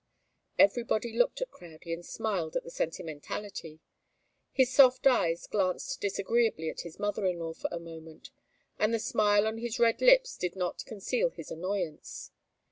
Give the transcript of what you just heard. Everybody looked at Crowdie and smiled at the sentimentality. His soft eyes glanced disagreeably at his mother in law for a moment, and the smile on his red lips did not conceal his annoyance.